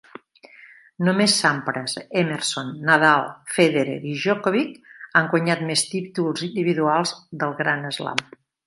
Només Sampras, Emerson, Nadal, Federer i Djokovic han guanyat més títols individuals del Grand Slam.